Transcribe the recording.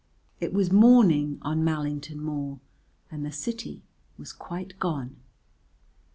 It was morning on Mallington Moor, and the city was quite gone.